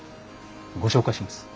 ご紹介します。